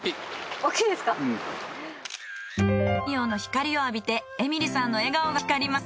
太陽の光を浴びてエミリさんの笑顔が光ります。